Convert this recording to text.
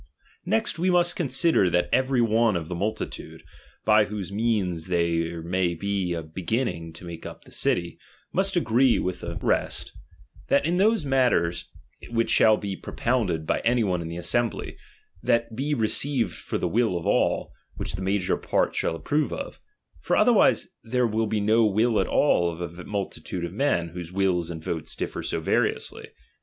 Next, we must consider that every one of the "^^ teF^ing multitude, by whose means there may be a begin rigiitoftbem* ling to make up the city, must agree with ^jje i'"'P""8™'^ par I 74 DOMINION. CHAP. VT. rest, that in those matters which shall be pro "'' pounded by auy one in the assembly, that be re ceived for the will of all, which the major part (shall approve of; for otherwise there will be no will at all of a multitude of men, whose wills and votes ditfer so variously.